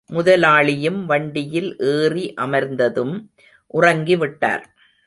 முதலாளியும் வண்டியில் ஏறி அமர்ந்ததும் உறங்கிவிட்டார்.